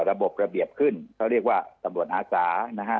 ระบบระเบียบขึ้นเขาเรียกว่าตำรวจอาสานะฮะ